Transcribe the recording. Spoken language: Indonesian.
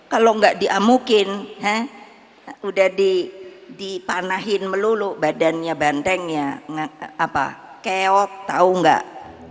kalau enggak diamukin udah dipanahin melulu badannya bantengnya apa keot tau enggak